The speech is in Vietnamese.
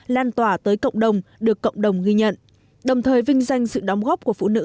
lan tỏa tới cộng đồng được cộng đồng ghi nhận đồng thời vinh danh sự đóng góp của phụ nữ